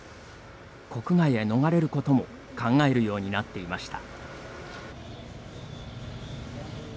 国外へ逃れることも考えるようになっていました。